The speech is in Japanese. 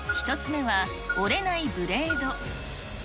１つ目は折れないブレード。